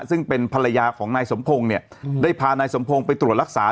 ซึ่งเป็นภรรยาของนายสมพงศ์เนี่ยได้พานายสมพงศ์ไปตรวจรักษา